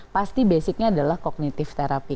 pasti basicnya adalah kognitif terapi